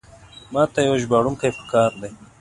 ماته یو ژباړونکی پکار ده.